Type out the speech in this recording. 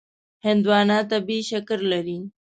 هندوانه طبیعي شکر لري.